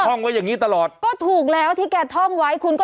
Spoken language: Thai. ห้องไว้อย่างงี้ตลอดก็ถูกแล้วที่แกท่องไว้คุณก็